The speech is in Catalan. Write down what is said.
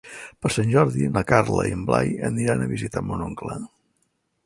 Per Sant Jordi na Carla i en Blai aniran a visitar mon oncle.